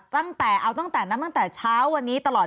ตั้งแต่เอาตั้งแต่นั้นตั้งแต่เช้าวันนี้ตลอด